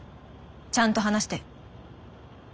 ちゃんと話して。